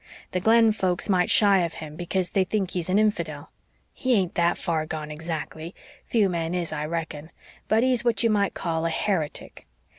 The Glen folks fight shy of him because they think he's an infidel. He ain't that far gone exactly few men is, I reckon but he's what you might call a heretic.